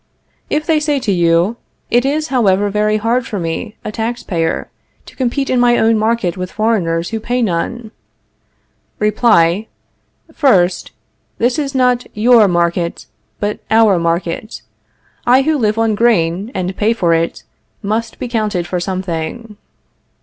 If they say to you: It is, however, very hard for me, a tax payer, to compete in my own market with foreigners who pay none Reply: First, This is not your market, but our market. I who live on grain, and pay for it, must be counted for something.